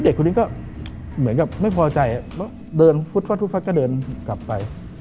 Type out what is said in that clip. เด็กคนนี้ก็เหมือนกับไม่พอใจเดินฟุดฟัดก็เดินกลับไป